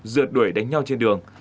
dượt đuổi đánh nhau trên đường